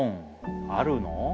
あるの？